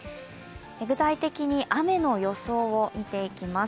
具体的に雨の予想を見ていきます。